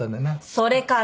それから！